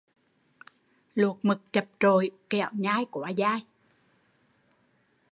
Luộc mực chập trội kẻo nhai quá dai